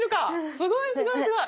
すごいすごいすごい。